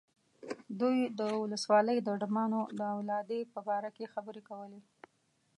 دوی د ولسوالۍ د ډمانو د اولادې په باره کې خبرې کولې.